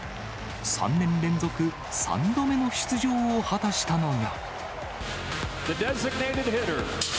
３年連続３度目の出場を果たしたのが。